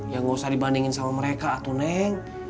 ya nggak usah dibandingin sama mereka atuh neng